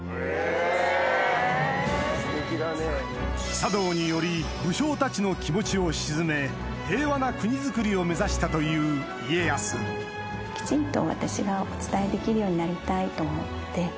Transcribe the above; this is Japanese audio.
茶道により武将たちの気持ちを静め平和な国づくりを目指したという家康きちんと。